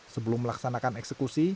sebelum melaksanakan eksekusi